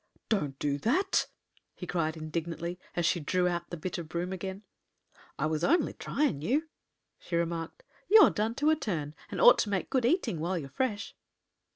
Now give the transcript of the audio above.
"Don't do that!" he cried, indignantly, as she drew out the bit of broom again. "I was only tryin' you," she remarked. "You're done to a turn, and ought to make good eating while you're fresh."